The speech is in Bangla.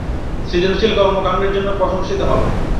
সৃজনশীল কর্মকাণ্ডের জন্য প্রশংসিত হবেন।